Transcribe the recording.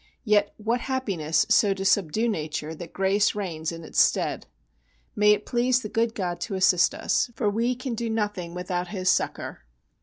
Yet what happiness so to subdue nature that grace reigns in its stead! May it please the good God to assist us, for we can do nothing without His succour.